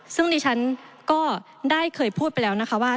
ซึ่งดิฉันก็ได้เคยพูดไปแล้วนะคะว่า